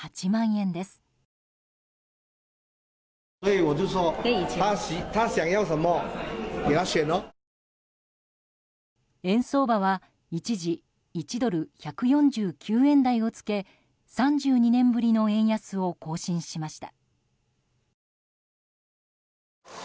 円相場は一時１ドル＝１４９円台をつけ３２年ぶりの円安を更新しました。